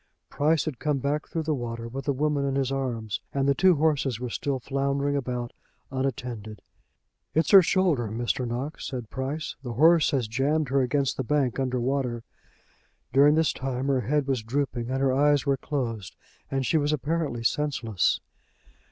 Price had come back through the water with the woman in his arms, and the two horses were still floundering about, unattended. "It's her shoulder, Mr. Knox," said Price. "The horse has jammed her against the bank under water." During this time her head was drooping, and her eyes were closed, and she was apparently senseless.